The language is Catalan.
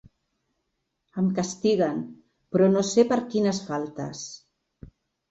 Em castiguen, però no sé per quines faltes.